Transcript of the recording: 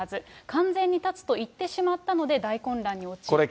完全に断つと言ってしまったので、大混乱に陥ったと。